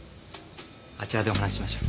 あちらでお話しましょう。